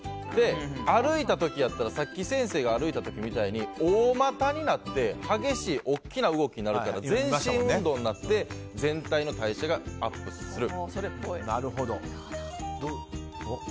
歩いた時やったらさっき先生が歩いた時みたいに大またになって激しい大きな動きになるから全身運動になって全体の代謝がアップする。